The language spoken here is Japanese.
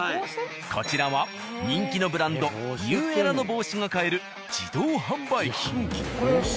こちらは人気のブランドニューエラの帽子が買える自動販売機。